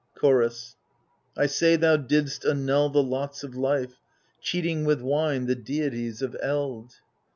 Chorus I say thou didst annul the lots of life. Cheating with wine the deities of eld.